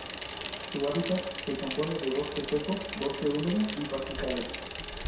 Su hábitat se compone de bosque seco, bosque húmedo y pastizales.